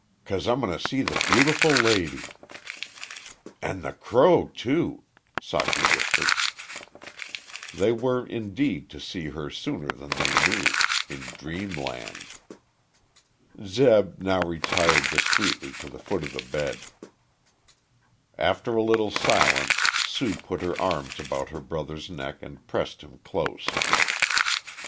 "'Cause I'm going to see the beautiful lady." "An' the crow, too," Socky whispered. They were, indeed, to see her sooner than they knew in dreamland. Zeb now retired discreetly to the foot of the bed. After a little silence Sue put her arms about her brother's neck and pressed him close.